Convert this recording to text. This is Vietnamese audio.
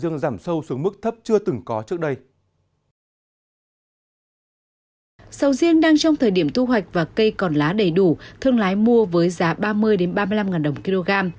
nhưng trong thời điểm thu hoạch và cây còn lá đầy đủ thương lái mua với giá ba mươi ba mươi năm đồng một kg